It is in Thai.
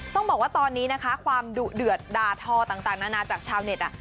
ต้องบอกว่าตอนนี้นะคะความดุเดือดด่าทอต่างนานาจากชาวเน็ต